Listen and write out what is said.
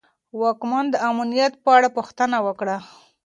واکمن د امنیت په اړه پوښتنه وکړه.